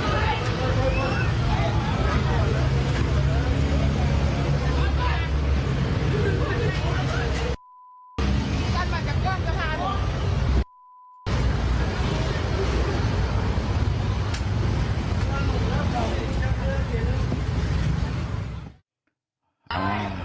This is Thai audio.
เกลียดขึ้นข้างล่าง